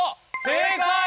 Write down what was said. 正解！